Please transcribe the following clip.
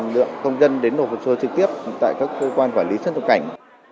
lượng công dân đến nộp hồ sơ trực tiếp tại các cơ quan quản lý xuất nhập cảnh